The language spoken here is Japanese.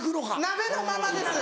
鍋のままです